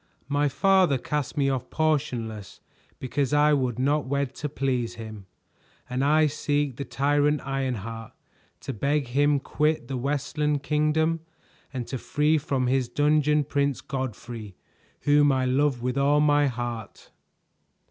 My father cast me off portionless because I would not wed to please him; and I seek the tyrant Ironheart, to beg him quit the Westland Kingdom and to free from his dungeon Prince Godfrey, whom I love with all my heart."